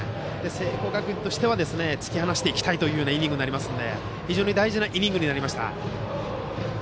聖光学院としては突き放していきたいイニングになりますので非常に大事なイニングになります。